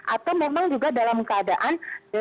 atau memang juga dalam keadaan